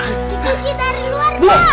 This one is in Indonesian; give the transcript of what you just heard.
dikunci dari luar